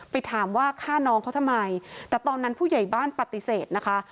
ไปถามว่าฆ่าน้องเขาทำไมแต่ตอนนั้นผู้ใหญ่บ้านปฏิเสธนะคะ